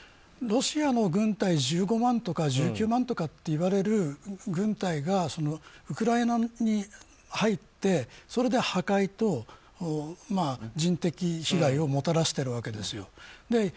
ロシアの軍隊１５万とか１９万とかっていわれる軍隊がウクライナに入ってそれで破壊と人的被害をもたらしているわけですよ。